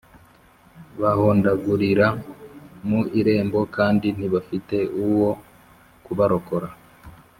Bahondaguriwra mu irembo kandi ntibafite uwo kubarokora